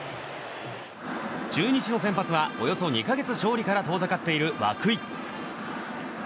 中日の先発はおよそ２か月、勝利から遠ざかっている涌井。